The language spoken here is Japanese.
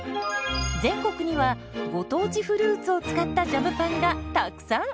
全国にはご当地フルーツを使ったジャムパンがたくさん！